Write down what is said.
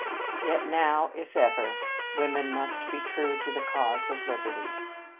Yet now, if ever, women must be true to the cause of liberty.